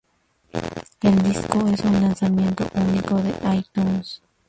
El disco es un lanzamiento unico de iTunes.